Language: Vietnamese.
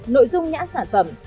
nội dung nhãn sản phẩm